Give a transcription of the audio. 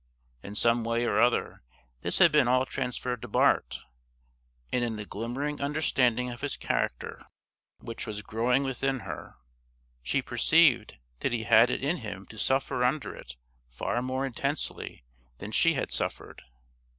In some way or other this had been all transferred to Bart, and in the glimmering understanding of his character which was growing within her, she perceived that he had it in him to suffer under it far more intensely than she had suffered.